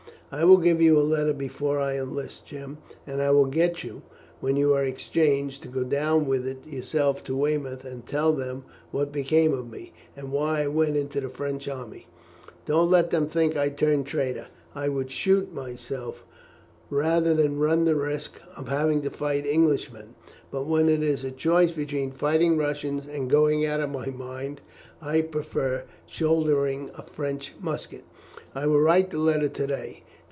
"I will give you a letter before I enlist, Jim; and I will get you, when you are exchanged, to go down with it yourself to Weymouth, and tell them what became of me, and why I went into the French army. Don't let them think that I turned traitor. I would shoot myself rather than run the risk of having to fight Englishmen. But when it is a choice between fighting Russians and going out of my mind, I prefer shouldering a French musket. I will write the letter to day.